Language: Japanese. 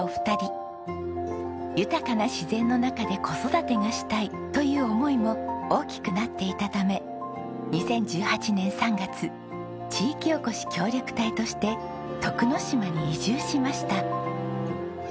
豊かな自然の中で子育てがしたいという思いも大きくなっていたため２０１８年３月地域おこし協力隊として徳之島に移住しました。